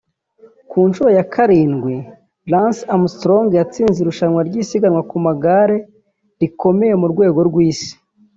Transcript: Ku nshuro ya karindwi Lance Armstrong yatsinze irushanwa ry’isiganwa ku magare rikomeye mu rwego rw’isi